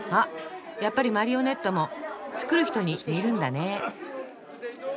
やっぱりマリオネットも作る人に似るんだね。